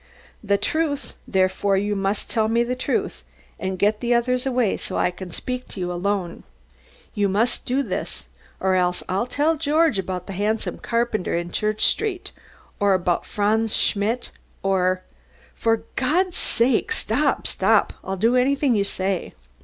"The truth, therefore, you must tell me the truth, and get the others away, so I can speak to you alone. You must do this or else I'll tell George about the handsome carpenter in Church street, or about Franz Schmid, or " "For God's sake, stop stop I'll do anything you say."